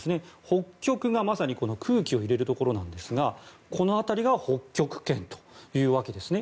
北極がまさに空気を入れるところなんですがこの辺りが北極圏というわけです。